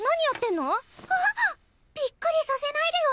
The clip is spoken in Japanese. びっくりさせないでよ